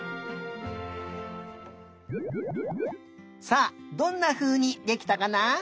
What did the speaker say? さあどんなふうにできたかな？